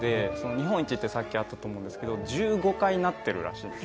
「日本一」ってさっきあったと思うんですけど１５回なってるらしいんです。